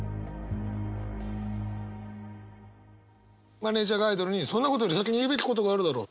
マネージャーがアイドルに「そんなことより先に言うべきことがあるだろう」。